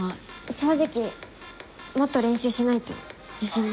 正直もっと練習しないと自信ない。